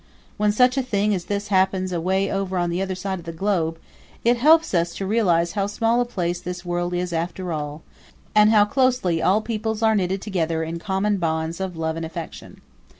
When such a thing as this happens away over on the other side of the globe it helps us to realize how small a place this world is after all, and how closely all peoples are knitted together in common bonds of love and affection.